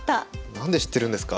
何で知ってるんですか？